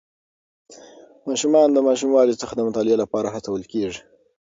ماشومان د ماشوموالي څخه د مطالعې لپاره هڅول کېږي.